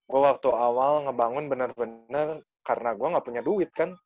gue waktu awal ngebangun benar benar karena gue gak punya duit kan